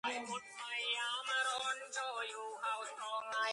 კომპანია განვითარებას განაგრძობდა.